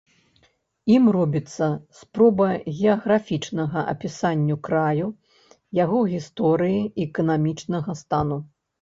Ім робіцца спроба геаграфічнага апісання краю, яго гісторыі і эканамічнага стану.